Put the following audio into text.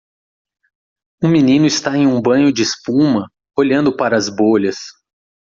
Um menino está em um banho de espuma? olhando para as bolhas.